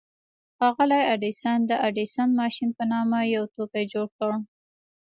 ښاغلي ايډېسن د ايډېسن ماشين په نامه يو توکی جوړ کړ.